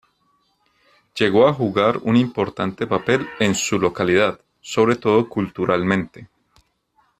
Llegó a jugar un importante papel en su localidad, sobre todo culturalmente.